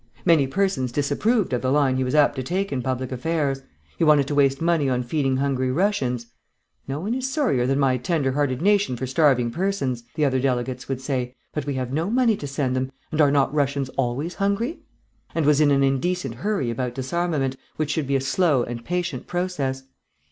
Many persons disapproved of the line he was apt to take in public affairs: he wanted to waste money on feeding hungry Russians ("No one is sorrier than my tender hearted nation for starving persons," the other delegates would say, "but we have no money to send them, and are not Russians always hungry?") and was in an indecent hurry about disarmament, which should be a slow and patient process.